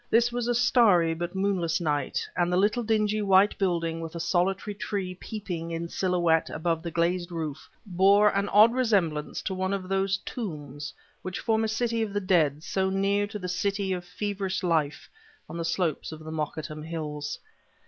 This was a starry but moonless night, and the little dingy white building with a solitary tree peeping, in silhouette, above the glazed roof, bore an odd resemblance to one of those tombs which form a city of the dead so near to the city of feverish life on the slopes of the Mokattam Hills.